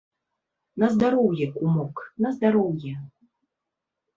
На здароўе, кумок, на здароўе!